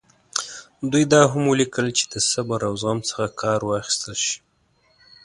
دوی دا هم ولیکل چې د صبر او زغم څخه کار واخیستل شي.